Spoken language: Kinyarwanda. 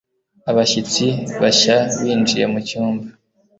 Abashyitsi bashya binjiye mucyumba.